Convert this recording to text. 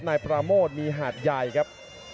นายปราโมทมีหาดใหญ่ครับ